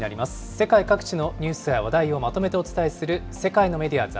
世界各地のニュースや話題をまとめてお伝えする世界のメディア